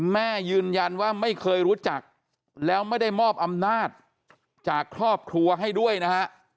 แม่ยืนยันว่าไม่เคยรู้จักแล้วไม่ได้มอบอำนาจจากครอบครัวให้ด้วยนะฮะ